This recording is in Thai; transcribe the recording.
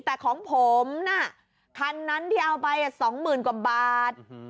แต่ของผมน่ะคันนั้นที่เอาไป๒๐๐๐กว่าบาท